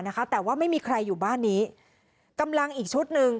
นะคะแต่ว่าไม่มีใครอยู่บ้านนี้กำลังอีกชุดหนึ่ง